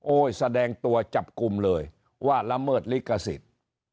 แสดงตัวจับกลุ่มเลยว่าละเมิดลิขสิทธิ์